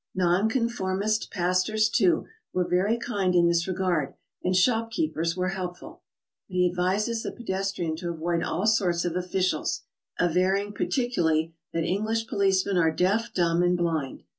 Non conformist pastors, too, were very kind in this regard, and shop keepers were helpful. But he advises the pedestrian to avoid all sorts of officials, aver ring particularly that English policemen are deaf, dumb and blind.